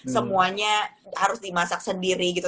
semuanya harus dimasak sendiri gitu